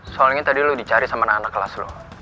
soalnya tadi lo dicari sama anak anak kelas lo